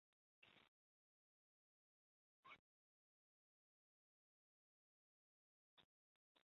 最常见的离心泵例如水泵。